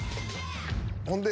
ほんで。